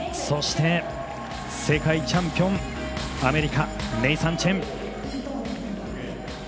そして世界チャンピオンアメリカ、ネイサン・チェン。